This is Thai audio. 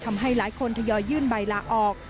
ทำให้หลายคนทยอยยื่นใบลาออก